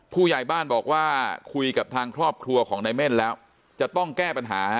ผู้ใหญ่บ้านบอกว่าคุยกับทางครอบครัวของนายเม่นแล้วจะต้องแก้ปัญหา